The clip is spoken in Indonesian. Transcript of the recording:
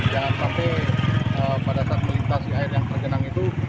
jangan sampai pada saat melintasi air yang tergenang itu